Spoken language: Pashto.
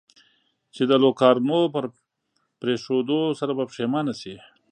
چې د لوکارنو په پرېښودو سره به پښېمانه شې.